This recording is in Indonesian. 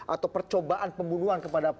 atau percobaan pembunuhan kepada